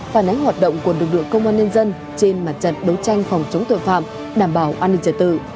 phản ánh hoạt động của lực lượng công an nhân dân trên mặt trận đấu tranh phòng chống tội phạm đảm bảo an ninh trật tự